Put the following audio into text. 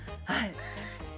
はい。